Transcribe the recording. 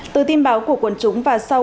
từ tin báo của quần chúng và sau